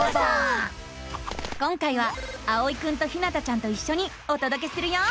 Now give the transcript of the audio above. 今回はあおいくんとひなたちゃんといっしょにおとどけするよ。